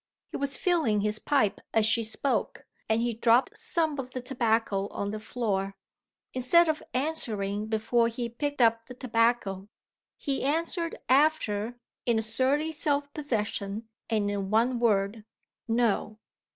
He was filling his pipe as she spoke, and he dropped some of the tobacco on the floor. Instead of answering before he picked up the tobacco he answered after in surly self possession, and in one word "No."